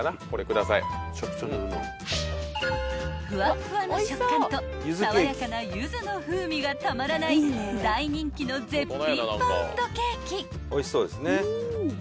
［ふわっふわの食感と爽やかなゆずの風味がたまらない大人気の絶品パウンドケーキ］